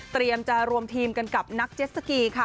จะรวมทีมกันกับนักเจ็ดสกีค่ะ